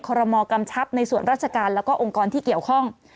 รมกำชับในส่วนราชการแล้วก็องค์กรที่เกี่ยวข้อง